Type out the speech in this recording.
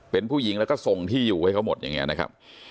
เป็นผู้หญิงแล้วก็ส่งที่อยู่ให้เขาหมดอย่างนี้นะครับ